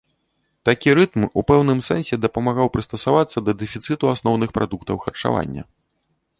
Такі рытм у пэўным сэнсе дапамагаў прыстасавацца да дэфіцыту асноўных прадуктаў харчавання.